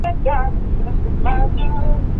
High, jazz.